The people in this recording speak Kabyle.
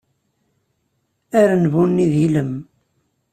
Arenbu-nni d ilem.